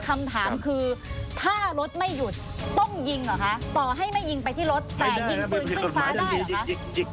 คำถามคือถ้ารถไม่หยุดต้องยิงเหรอคะต่อให้ไม่ยิงไปที่รถแต่ยิงปืนขึ้นฟ้าได้เหรอคะ